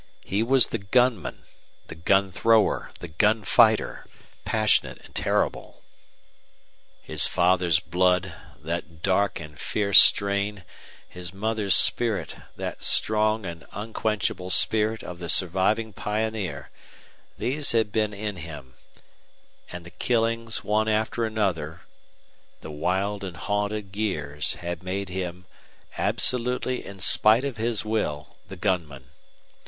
He was the gunman, the gun thrower, the gun fighter, passionate and terrible. His father's blood, that dark and fierce strain, his mother's spirit, that strong and unquenchable spirit of the surviving pioneer these had been in him; and the killings, one after another, the wild and haunted years, had made him, absolutely in spite of his will, the gunman.